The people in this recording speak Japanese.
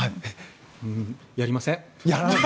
やりません。